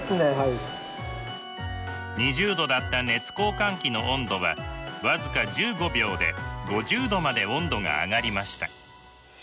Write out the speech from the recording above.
２０℃だった熱交換器の温度は僅か１５秒で５０℃まで温度が上がりました。